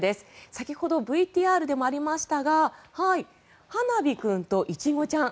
先ほどＶＴＲでもありましたがはなび君とイチゴちゃん。